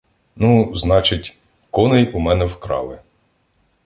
— Ну, значить, коней у мене вкрали.